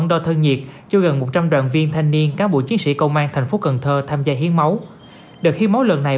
đợt hiến máu lần này